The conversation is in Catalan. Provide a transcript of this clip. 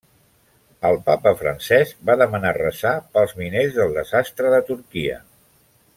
El papa Francesc va demanar resar pels miners del desastre de Turquia.